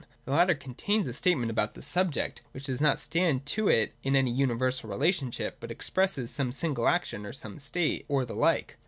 The latter contains a statement about the subject, which does not stand to it in any universal relationship, but expresses some single action, or some state, or the like.